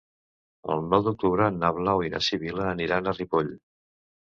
El nou d'octubre na Blau i na Sibil·la aniran a Ripoll.